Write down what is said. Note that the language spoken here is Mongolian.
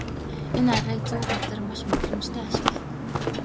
Энэ аргыг зөв газар маш мэдрэмжтэй ашигла.